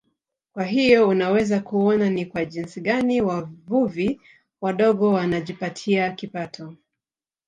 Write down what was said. Kwa hiyo unaweza kuona ni kwa jinsi gani wavuvi wadogo wanajipatia kipato